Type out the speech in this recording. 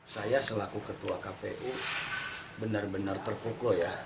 saya selaku ketua kpu benar benar terfokus ya